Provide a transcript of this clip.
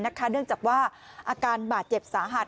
เนื่องจากว่าอาการบาดเจ็บสาหัส